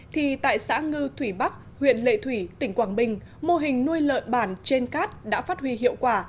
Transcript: thì tại xã ngư thủy bắc huyện lệ thủy tỉnh quảng bình mô hình nuôi lợn bản trên cát đã phát huy hiệu quả